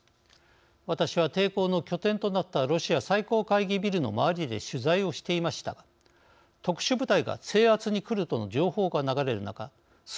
私は抵抗の拠点となったロシア最高会議ビルの周りで取材をしていましたが特殊部隊が制圧に来るとの情報が流れる中数